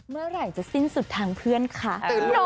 เมื่อไหร่จะสิ้นสุดทางเพื่อนคะ